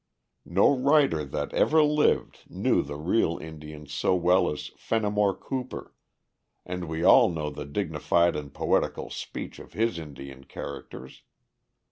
No writer that ever lived knew the real Indian so well as Fenimore Cooper, and we all know the dignified and poetical speech of his Indian characters.